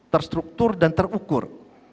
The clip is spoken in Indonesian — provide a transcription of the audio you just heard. terstruktur dan terukur